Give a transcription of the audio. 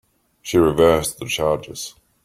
She reversed the charges.